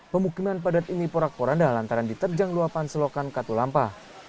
pemukiman padat ini porak poranda lantaran diterjang luapan selokan katulampa